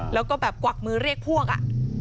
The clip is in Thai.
แล้วก็แบบกวักมือเรียกพวกอ่ะ